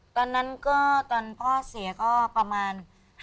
ตอนนั้นก็ตอนพ่อเสียก็ประมาณ